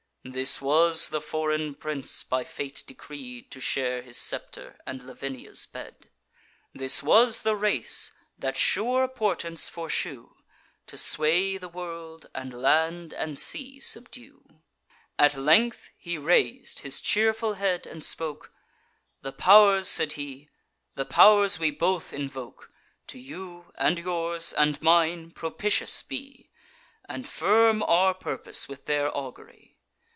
This was the foreign prince, by fate decreed To share his scepter, and Lavinia's bed; This was the race that sure portents foreshew To sway the world, and land and sea subdue. At length he rais'd his cheerful head, and spoke: "The pow'rs," said he, "the pow'rs we both invoke, To you, and yours, and mine, propitious be, And firm our purpose with their augury!